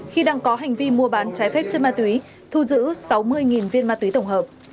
khi đang có hành vi mua bán trái phép chất ma túy thu giữ sáu mươi viên ma túy tổng hợp